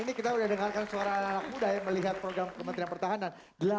ini kita sudah dengarkan suara anak anak muda yang melihat program kementerian pertahanan